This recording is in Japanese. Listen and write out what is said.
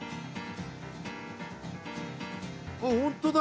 あっ本当だ！